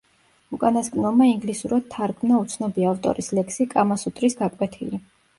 უკანასკნელმა ინგლისურად თარგმნა უცნობი ავტორის ლექსი „კამა სუტრის გაკვეთილი“.